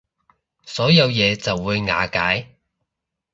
所有嘢就會瓦解